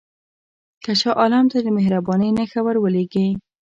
که شاه عالم ته د مهربانۍ نښه ورولېږې.